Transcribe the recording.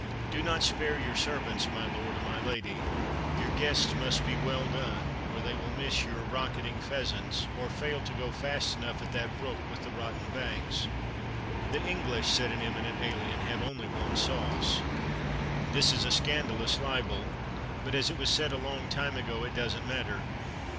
Do not spare your servants, my lord, or my lady. Your guests must be "well done," or they will miss your "rocketing" pheasants, or fail to go fast enough at that brook with the rotten banks. "The English," said an eminent alien, "have only one sauce." This is a scandalous libel; but as it was said a long time ago it doesn't matter.